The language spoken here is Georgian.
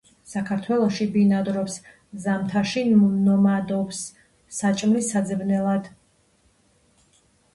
საქართველოში ბინადრობს, ზამთარში ნომადობს საჭმლის საძებნელად.